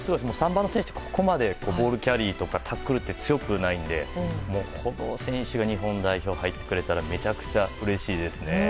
３番の選手、ここまでボールキャリーとかタックルとか強くないので、この選手が日本代表に入ってくれたらめちゃくちゃうれしいですね。